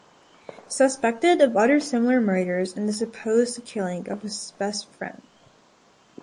Suspected of other similar murders and the supposed killing of his best friend.